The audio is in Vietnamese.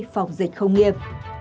phòng dịch không nghiệp